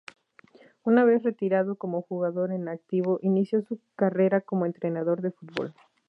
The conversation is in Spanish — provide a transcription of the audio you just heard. Una vez retirado como jugador en activo inició su carrera como entrenador de fútbol.